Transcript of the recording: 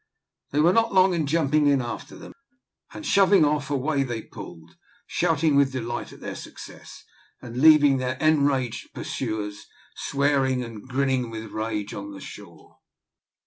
They were not long in jumping in after them, and, shoving off, away they pulled, shouting with delight at their success, and leaving their enraged pursuers swearing and grinning with rage on the shore.